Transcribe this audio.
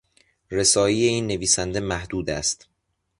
رسایی این نویسنده محدود است.